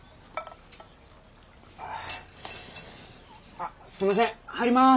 あっすいません入ります。